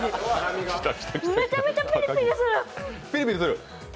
めちゃめちゃピリピリする。